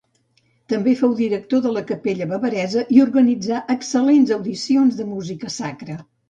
També fou director de la Capella bavaresa i organitzà excel·lents audicions de música sacra.